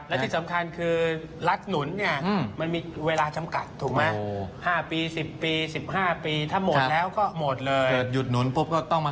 และที่สำคัญคือรัฐหนุนมันมีเวลาชำกัดถูกไหม